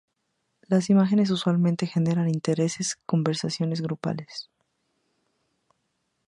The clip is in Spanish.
Las imágenes usualmente generan interesantes conversaciones grupales.